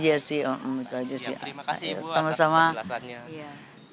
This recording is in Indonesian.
terima kasih ibu atas perjelasannya